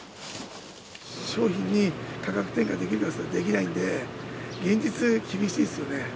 商品に価格転嫁できるかっていったらできないので、現実厳しいですよね。